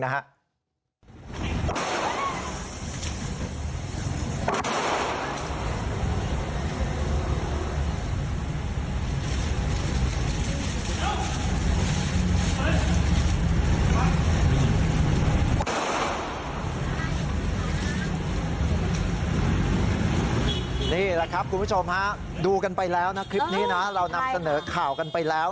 นี่แหละครับคุณผู้ชมฮะดูกันไปแล้วนะคลิปนี้นะเรานำเสนอข่าวกันไปแล้ว